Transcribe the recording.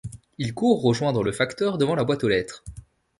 Il court rejoindre le facteur devant la boite aux lettres.